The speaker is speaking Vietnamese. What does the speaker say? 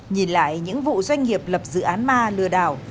nhìn lại những vụ doanh nghiệp lập dự án ma lừa đảo